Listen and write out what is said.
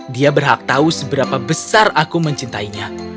dia berhak tahu seberapa besar aku mencintainya